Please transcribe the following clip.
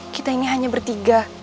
kita ini hanya bertiga